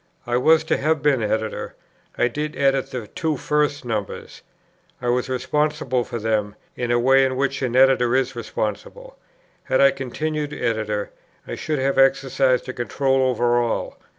I was to have been Editor. I did edit the two first numbers. I was responsible for them, in the way in which an Editor is responsible. Had I continued Editor, I should have exercised a control over all.